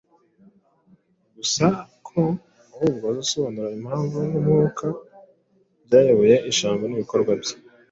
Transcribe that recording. gusa ko ahubwo azasobanura impamvu n’umwuka byayoboye ijambo n’ibikorwa bye.